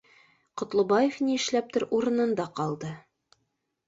Ҡотлобаев ни эшләптер урынында ҡалды